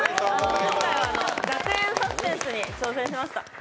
今回は学園サスペンスに挑戦しました。